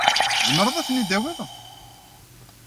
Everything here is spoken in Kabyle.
Tzemreḍ ad ten-id-tawiḍ?